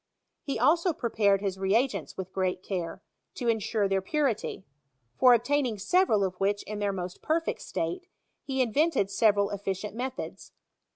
He also prepared his reagents with great care, to ensure their purity ; for obtaining several of which in their most perfect state, he invented several efficient methods.